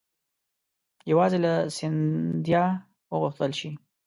یوازې له سیندهیا وغوښتل شي.